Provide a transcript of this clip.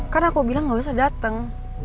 karena aku bilang gak usah dateng